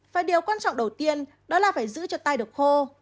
và điều quan trọng đầu tiên đó là phải giữ cho tay được khô